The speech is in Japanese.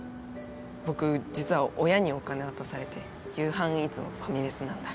僕実は親にお金渡されて夕飯いつもファミレスなんだ。